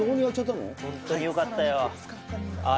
本当によかったよ。